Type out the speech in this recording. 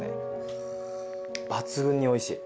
抜群においしい。